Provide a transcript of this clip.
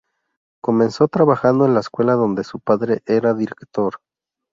Comenzó trabajando en la escuela donde su padre era director.